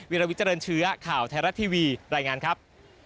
ลวิเจริญเชื้อข่าวไทยรัฐทีวีรายงานครับ